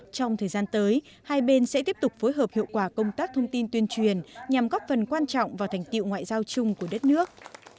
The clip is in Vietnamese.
trong thời gian tới hai bên sẽ tiếp tục phối hợp hiệu quả công tác thông tin tuyên truyền nhằm góp phần quan trọng vào thành tiệu ngoại giao chung của đất nước